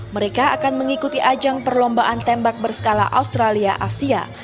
mereka akan mengikuti ajang perlombaan tembak berskala australia asia